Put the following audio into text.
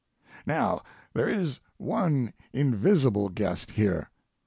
Now, there is one invisible guest here.